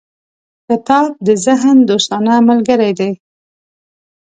• کتاب د ذهن دوستانه ملګری دی.